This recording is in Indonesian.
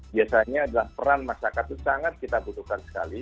biasanya adalah peran masyarakat itu sangat kita butuhkan sekali